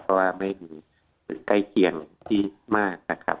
เพราะว่าไม่มีใกล้เคียงมากน่ะค่ะ